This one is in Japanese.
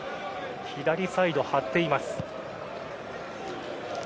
左サイド、張っています。